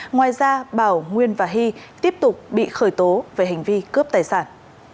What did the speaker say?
ngoài ra bảo nguyên và hy tiếp tục bị khởi tố về hành vi cướp tài sản